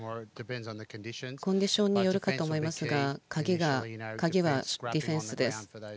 コンディションによるかと思いますが鍵はディフェンスです。